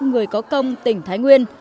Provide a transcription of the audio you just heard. người có công tỉnh thái nguyên